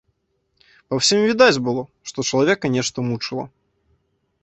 Па ўсім відаць было, што чалавека нешта мучыла.